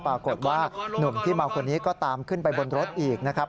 ปรากฏว่าหนุ่มที่เมาคนนี้ก็ตามขึ้นไปบนรถอีกนะครับ